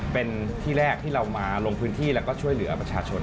เป็นที่แรกที่เรามาลงพื้นที่แล้วก็ช่วยเหลือประชาชน